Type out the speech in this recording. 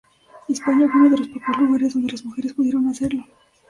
España fue uno de los pocos lugares donde las mujeres pudieron hacerlo.